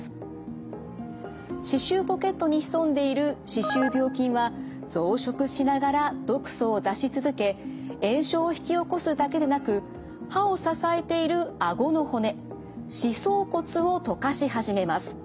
歯周ポケットに潜んでいる歯周病菌は増殖しながら毒素を出し続け炎症を引き起こすだけでなく歯を支えているあごの骨歯槽骨を溶かし始めます。